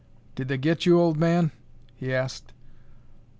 "Did they get you, old man?" he asked.